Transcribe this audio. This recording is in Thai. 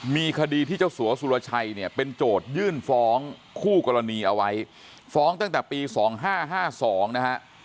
มีคดีที่เจ้าสัวสุรชัยเนี่ยเป็นโจทยื่นฟ้องคู่กรณีเอาไว้ฟ้องตั้งแต่ปี๒๕๕๒นะฮะ